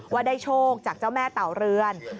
ว่าได้โชคจากเจ้าแม่เต่าเรือน